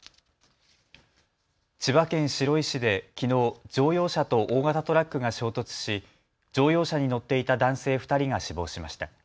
千葉県白井市で、きのう乗用車と大型トラックが衝突し乗用車に乗っていた男性２人が死亡しました。